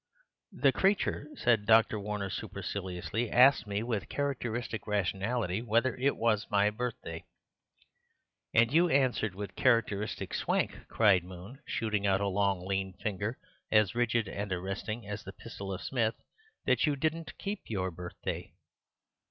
"The creature," said Dr. Warner superciliously, "asked me, with characteristic rationality, whether it was my birthday." "And you answered, with characteristic swank," cried Moon, shooting out a long lean finger, as rigid and arresting as the pistol of Smith, "that you didn't keep your birthday."